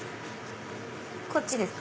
こっちですか？